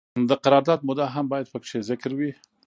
د قرارداد موده هم باید پکې ذکر وي.